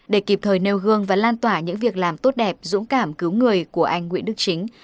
để kịp thời nêu gương và lan tỏa những việc làm tốt đẹp dũng cảm cứu người của anh nguyễn đức chính